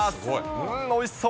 うーん、おいしそう！